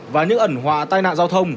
và những ẩn họa tai nạn giao thông